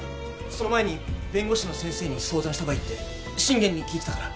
その前に弁護士の先生に相談した方がいいって信玄に聞いてたから。